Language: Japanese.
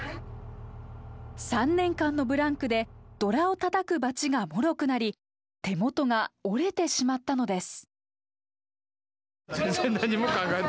３年間のブランクでドラをたたくバチがもろくなり手元が折れてしまったのです。